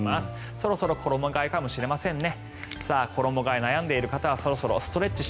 そろそろ衣替えかもしれませんね。